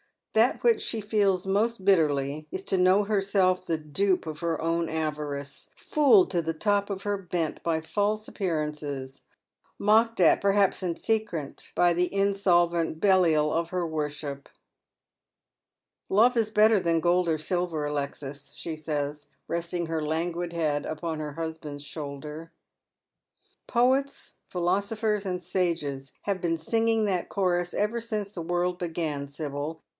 That which she feels most bitterly is to know herself the dupe of her own avarice, fooled to the top of her bent by false appearances, mocked at perhaps in secret by the insolvent Belial of her worship. " Love is better than gold or silver, Alexis," she says, resting her languid head upon her husband's shoulder. " Poets, philosophers, and sages have been singing that chonig ever since the world began, Sibyl.